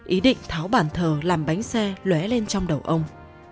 ý định tháo bàn thờ làm bánh xe lé lên trong đầu ông